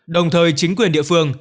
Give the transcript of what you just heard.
đồng thời chính quyền địa phương